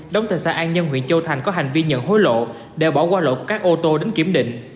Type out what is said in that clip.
đống tài xã an nhân huyện châu thành có hành vi nhận hối lộ để bỏ qua lộ của các ô tô đến kiểm định